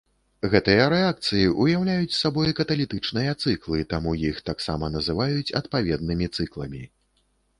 Гэтыя рэакцыі ўяўляюць сабой каталітычныя цыклы, таму іх таксама называюць адпаведнымі цыкламі.